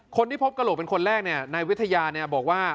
คนที่พบกระโหลกเป็นคนแรกเนี่ยนายวิทยาเนี่ยบอกว่า